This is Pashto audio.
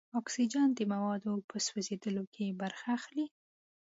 اکسیجن د موادو په سوځیدلو کې برخه اخلي.